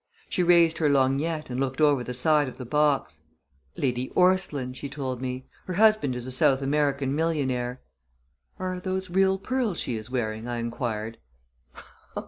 She raised her lorgnette and looked over the side of the box. "Lady Orstline," she told me. "Her husband is a South African millionaire." "Are those real pearls she is wearing?" I inquired.